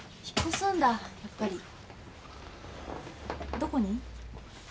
どこに？